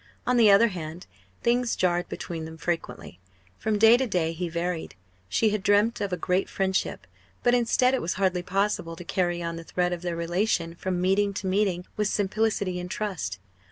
On the other hand, things jarred between them frequently. From day to day he varied. She had dreamt of a great friendship; but instead, it was hardly possible to carry on the thread of their relation from meeting to meeting with simplicity and trust.